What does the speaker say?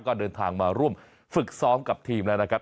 ก็เดินทางมาร่วมฝึกซ้อมกับทีมแล้วนะครับ